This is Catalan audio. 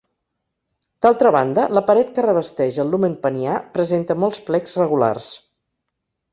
D'altra banda, la paret que revesteix el lumen penià presenta molts plecs regulars.